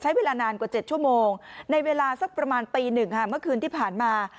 ใช้เวลานานกว่า๗ชั่วโมงในเวลาสักประมาณตีหนึ่งค่ะเมื่อคืนที่ผ่านมา